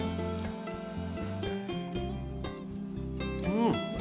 うん。